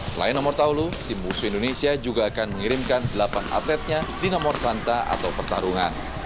selain nomor taulu tim busu indonesia juga akan mengirimkan delapan atletnya di nomor santa atau pertarungan